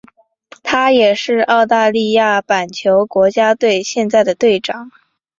他也是澳大利亚板球国家队现在的队长。